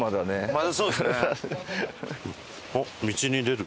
まだそうですね。